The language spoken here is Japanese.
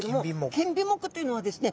剣尾目というのはですね